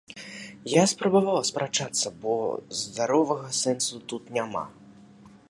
Я спрабавала спрачацца, бо здаровага сэнсу тут няма.